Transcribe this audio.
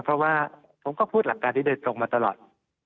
เพราะว่าผมก็พูดหลักการนี้โดยตรงมาตลอด